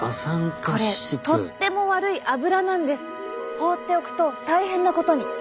放っておくと大変なことに。